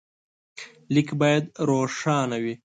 لیک باید روښانه وي.